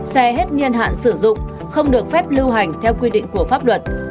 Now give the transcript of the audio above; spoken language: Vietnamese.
xe hết niên hạn sử dụng không được phép lưu hành theo quy định của pháp luật